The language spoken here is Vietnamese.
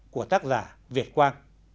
của tác giả việt quang